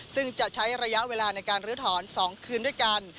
ซึ่งจะใช้ระยะเวลาในการลื้อถอน๒คืนด้วยกัน